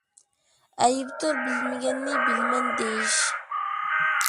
ئەيىبتۇر بىلمىگەننى بىلىمەن دېيىش.